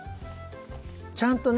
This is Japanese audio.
ちゃんとね